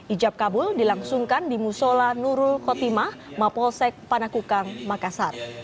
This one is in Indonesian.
ijab kabul dilangsungkan di musola nurul kotimah mapolsek panakukang makassar